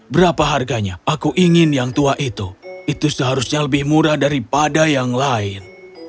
berapa harganya aku ingin yang tua itu itu seharusnya lebih murah daripada yang lain